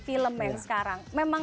kita udah gue yang island